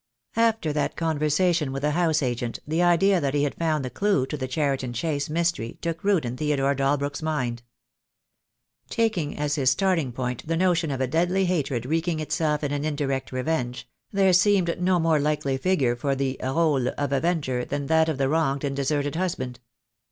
After that conversation with the house agent, the idea that he had found the clue to the Cheriton Chase mystery took root in Theodore Dalbrook's mind. Taking as his starting point the notion of a deadly hatred wreak ing itself in an indirect revenge, there seemed no more likely figure for the role of avenger than that of the wronged and deserted husband.